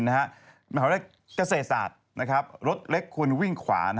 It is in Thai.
มหาวิทยาลัยเกษตรศาสตร์รถเล็กควรวิ่งขวา